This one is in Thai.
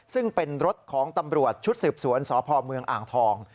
ซึ่งเป็นรถของตำรวจชุดสืบสวนสพเมืองอ่างทอง